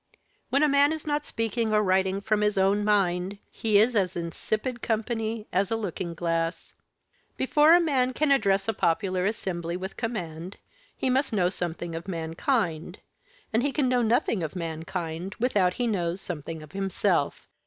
When a man is not speaking or writing from his own mind, he is as insipid company as a looking glass. Before a man can address a popular assembly with command, he must know something of mankind, and he can know nothing of mankind without he knows something of himself.